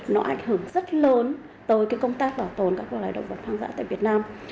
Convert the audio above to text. nó ảnh hưởng rất lớn tới công tác bảo tồn các loài động vật hoang dã tại việt nam